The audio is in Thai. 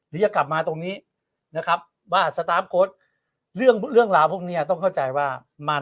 จะกลับมาตรงนี้นะครับว่าสตาร์ฟโค้ดเรื่องราวพวกนี้ต้องเข้าใจว่ามา